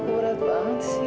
aduh walaupun banget sih